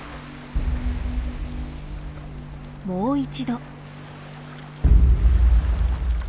もう一度。